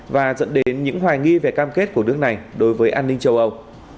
và dẫn đến những hoài nghi về cam kết của nước này đối với an ninh châu âu